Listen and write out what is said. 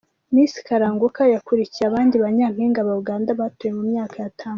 Miss Kalanguka yakurikiye abandi ba Nyampinga ba Uganda batowe mu myaka yatambutse:.